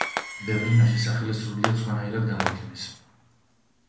ბევრ ენაში სახელი სრულიად სხვანაირად გამოითქმის.